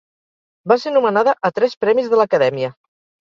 Va ser nomenada a tres Premis de l'Acadèmia.